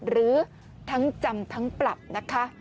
หรือทั้งจำทั้งปรับนะคะ